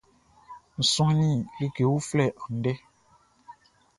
N suannin like uflɛ andɛ.